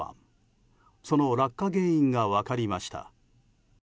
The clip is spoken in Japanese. その落下原因が分かりました。